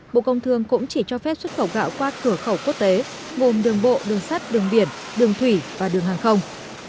bộ công thương cũng chỉ cho phép xuất khẩu gạo qua cửa khẩu quốc tế gồm đường bộ đường sắt đường biển đường thủy và đường hàng không